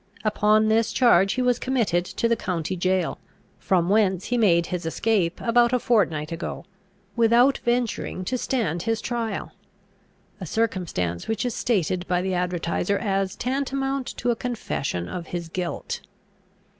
Upon this charge he was committed to the county jail, from whence he made his escape about a fortnight ago, without venturing to stand his trial; a circumstance which is stated by the advertiser as tantamount to a confession of his guilt.